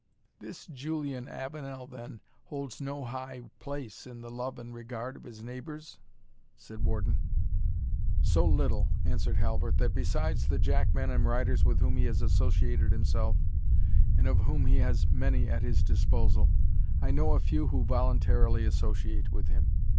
"This Julian Avenel, then, holds no high place in the love and regard of his neighbours?" said Warden. "So little," answered Halbert, "that besides the jack men and riders with whom he has associated himself, and of whom he has many at his disposal, I know of few who voluntarily associate with him.